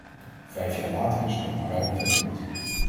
Vijf jaar later is er nog maar weinig gebeurd.